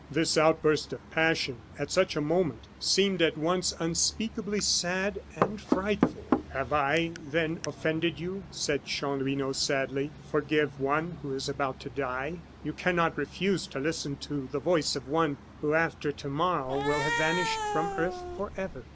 This outburst of passion, at such a moment, seemed at once unspeakably sad and frightful. "Have I, then, offended you?" said Chanlouineau, sadly. "Forgive one who is about to die! You cannot refuse to listen to the voice of one, who after tomorrow, will have vanished from earth forever.